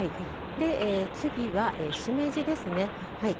次は、しめじですね。